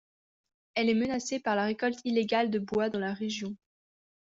Elle est menacé par la récolte illégale de bois dans la région.